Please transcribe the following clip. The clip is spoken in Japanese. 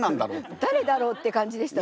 「だれだろう？」って感じでしたわね。